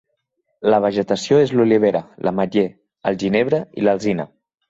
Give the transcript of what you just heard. La vegetació és l'olivera, l'ametller, el ginebre i l'alzina.